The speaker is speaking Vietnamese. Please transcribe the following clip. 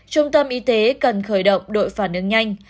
trung tâm y tế cần khởi động đội phản ứng nhanh